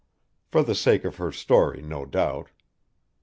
for the sake of her story, no doubt.